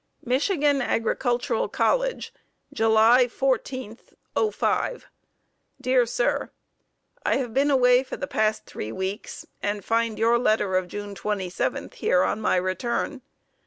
Michigan Agricultural College, July 14, '05. Dear Sir: I have been away for the past three weeks and find your letter of June 27 here on my return.